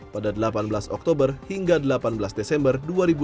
pada delapan belas oktober hingga delapan belas desember dua ribu dua puluh